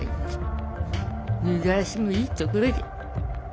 無駄足もいいところじゃ。